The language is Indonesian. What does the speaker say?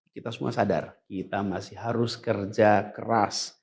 kita semua sadar kita masih harus kerja keras